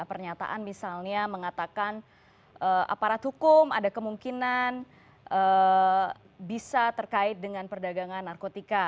pernyataan misalnya mengatakan aparat hukum ada kemungkinan bisa terkait dengan perdagangan narkotika